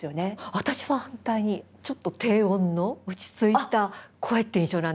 私は反対にちょっと低音の落ち着いた声って印象なんですよ。